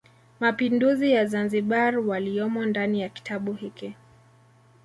Mapinduzi ya Zanzibar waliyomo ndani ya kitabu hiki